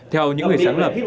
theo những người sáng lập